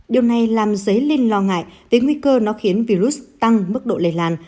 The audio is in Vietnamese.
điều này làm giấy linh lo ngại về nguy cơ nó khiến virus tăng mức độ lây lan